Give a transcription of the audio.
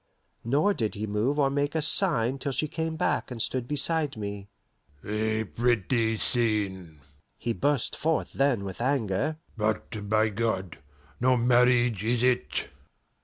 Nor did he move or make a sign till she came back and stood beside me. "A pretty scene!" he burst forth then with anger. "But, by God! no marriage is it!"